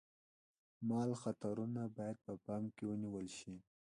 مال خطرونه باید په پام کې ونیول شي.